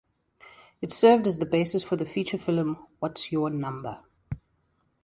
It served as the basis for the feature film What's Your Number?